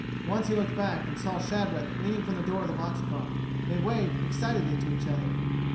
Once he looked back and saw Shadrack leaning from the door of the boxcar. They waved excitedly to each other.